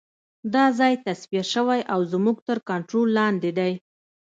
دا ځای تصفیه شوی او زموږ تر کنترول لاندې دی